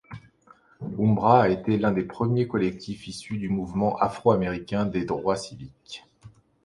Umbra a été l'un des premiers collectif issu du Mouvement afro-américain des droit civiques.